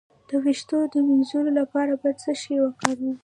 د ویښتو د مینځلو لپاره باید څه شی وکاروم؟